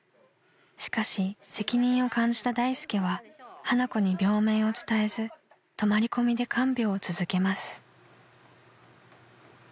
［しかし責任を感じた大助は花子に病名を伝えず泊まり込みで看病を続けます］